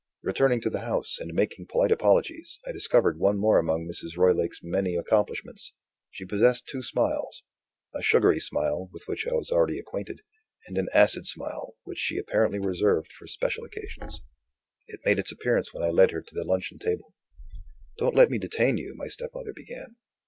Returning to the house, and making polite apologies, I discovered one more among Mrs. Roylake's many accomplishments. She possessed two smiles a sugary smile (with which I was already acquainted), and an acid smile which she apparently reserved for special occasions. It made its appearance when I led her to the luncheon table. "Don't let me detain you," my stepmother began.